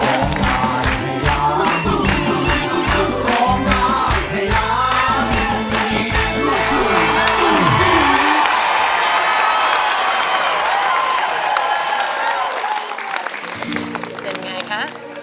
เสร็จยังไงคะ